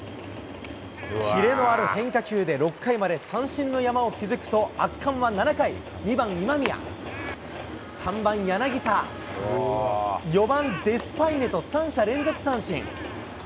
キレのある変化球で６回まで三振の山を築くと、圧巻は７回、２番今宮、３番柳田、４番デスパイネと、３者連続三振。